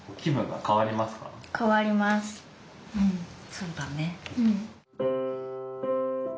そうだね。